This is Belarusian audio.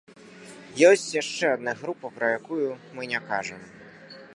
Ёсць яшчэ адна група, пра якую мы не кажам.